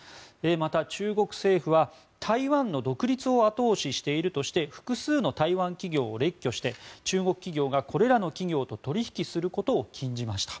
また、中国政府は、台湾の独立を後押ししているとして複数の台湾企業を列挙して中国企業がこれらの企業を取引することを禁じました。